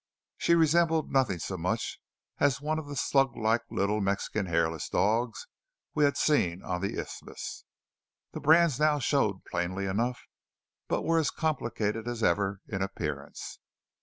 She resembled nothing so much as one of the sluglike little Mexican hairless dogs we had seen on the Isthmus. The brands now showed plainly enough, but were as complicated as ever in appearance.